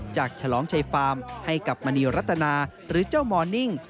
ฉลองชัยฟาร์มให้กับมณีรัตนาหรือเจ้ามอนิ่ง